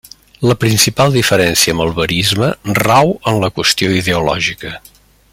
La principal diferència amb el verisme rau en la qüestió ideològica.